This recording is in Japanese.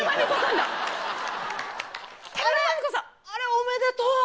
おめでとう。